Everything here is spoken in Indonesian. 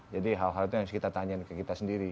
jadi hal hal itu yang harus kita tanya ke kita sendiri